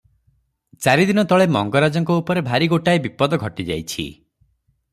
ଚାରିଦିନ ତଳେ ମଙ୍ଗରାଜଙ୍କ ଉପରେ ଭାରି ଗୋଟାଏ ବିପଦ ଘଟିଯାଇଛି ।